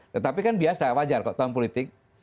tetapi kan biasa wajar kok tahun politik